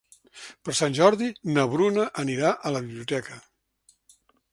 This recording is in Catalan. Per Sant Jordi na Bruna anirà a la biblioteca.